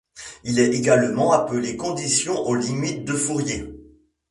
Elle est également appelée condition aux limites de Fourier.